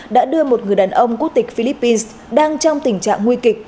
đã đưa một người đàn ông quốc tịch philippines đang trong tình trạng nguy kịch